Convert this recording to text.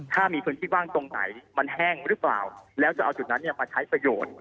ถ้ามีพื้นที่ว่างตรงไหนมันแห้งหรือเปล่าแล้วจะเอาจุดนั้นมาใช้ประโยชน์